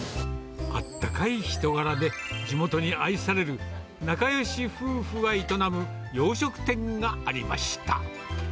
あったかい人柄で地元に愛される、仲よし夫婦が営む洋食店がありました。